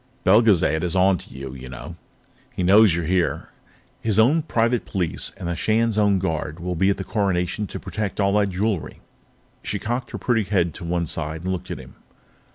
"Belgezad is on to you, you know. He knows you're here. His own private police and the Shan's own Guard will be at the Coronation to protect all that jewelry." She cocked her pretty head to one side and looked at him.